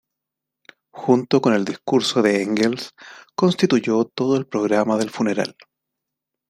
Junto con el discurso de Engels, constituyó todo el programa del funeral.